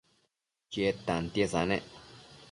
Chied tantiesa nec